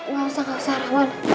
gak usah gak usah rahman